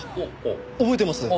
覚えてます。